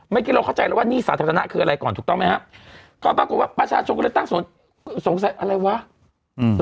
เมื่อกี้เราเข้าใจแล้วว่าหนี้สาธารณะคืออะไรก่อนถูกต้องไหมครับก่อนปรากฏว่าประชาชนก็เลยตั้งสนสงสัยอะไรวะอืม